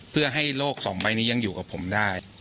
เพื่อให้โลกสองใบนี้ยังอยู่กับผมได้